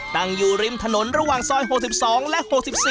ตั้งอยู่ริมถนนระหว่างซอย๖๒และ๖๔